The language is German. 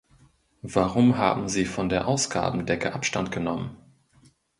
Warum haben Sie von der Ausgabendecke Abstand genommen?